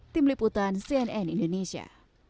tim liputan cnn indonesia